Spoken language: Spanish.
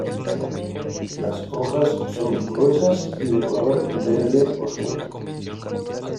Las hojas son gruesas y de color verde oscuro.